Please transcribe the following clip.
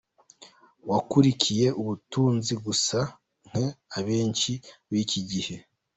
wakurikiye ubutunzi gusa nk,abenshi b’iki gihe .